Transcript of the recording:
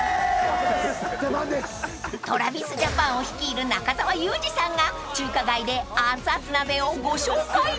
［ＴｒａｖｉｓＪａｐａｎを率いる中澤佑二さんが中華街でアツアツ鍋をご紹介］